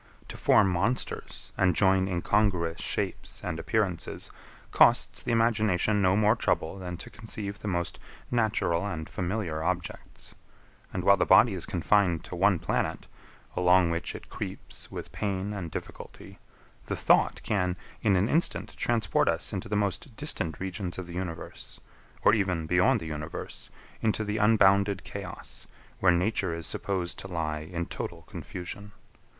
To form monsters, and join incongruous shapes and appearances, costs the imagination no more trouble than to conceive the most natural and familiar objects. And while the body is confined to one planet, along which it creeps with pain and difficulty; the thought can in an instant transport us into the most distant regions of the universe; or even beyond the universe, into the unbounded chaos, where nature is supposed to lie in total confusion.